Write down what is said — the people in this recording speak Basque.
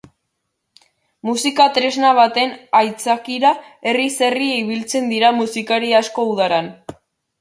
Musika tresna baten aitzakira herriz herri ibiltzen dira musikari asko udaran.